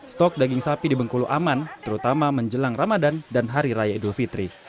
stok daging sapi di bengkulu aman terutama menjelang ramadan dan hari raya idul fitri